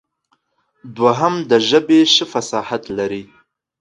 دوهم د ژبې ښه فصاحت لري.